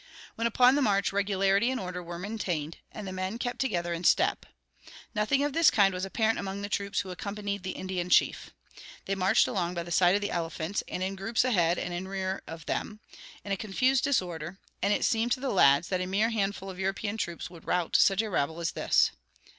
When upon the march regularity and order were maintained, and the men kept together in step. Nothing of this kind was apparent among the troops who accompanied the Indian chief. They marched along by the side of the elephants, and in groups ahead and in rear of them, in a confused disorder; and it seemed to the lads that a mere handful of European troops would rout such a rabble as this.